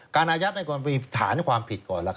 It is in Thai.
การอายัดมีฐานความผิดก่อน